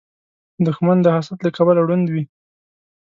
دښمن د حسد له کبله ړوند وي